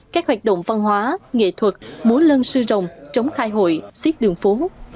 các hoạt động văn hóa nghệ thuật múa lân sư rồng chống khai hội xiết đường phố